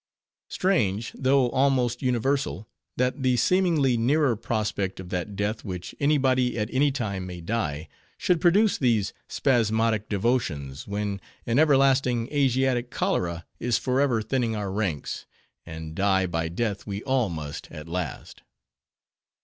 Strange, though almost universal, that the seemingly nearer prospect of that death which any body at any time may die, should produce these spasmodic devotions, when an everlasting Asiatic Cholera is forever thinning our ranks; and die by death we all must at last.